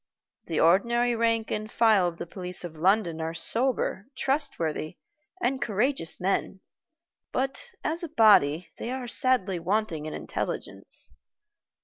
The ordinary rank and file of the police of London are sober, trustworthy, and courageous men, but as a body they are sadly wanting in intelligence.